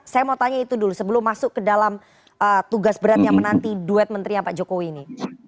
saya mau tanya itu dulu sebelum masuk ke dalam tugas beratnya menanti duet menterinya pak jokowi ini